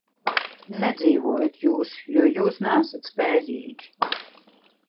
Nedzīvojat jūs, jo jūs neesat spējīgi.